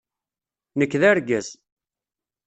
Nekk d argaz.